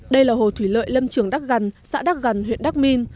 đây là hồ thủy lợi lâm trường đắk gần xã đắk gần huyện đắk minh